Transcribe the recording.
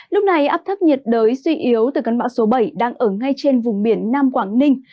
lúc này áp thấp nhiệt đới suy yếu từ cơn bão số bảy đang ở ngay trên vùng biển nam quảng ninh